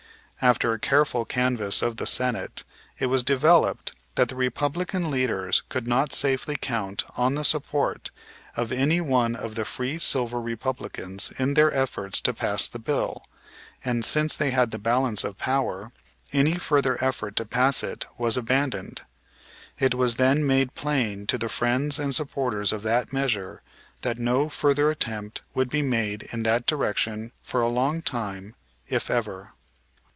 After a careful canvass of the Senate it was developed that the Republican leaders could not safely count on the support of any one of the Free Silver Republicans in their efforts to pass the bill, and, since they had the balance of power, any further effort to pass it was abandoned. It was then made plain to the friends and supporters of that measure that no further attempt would be made in that direction for a long time, if ever.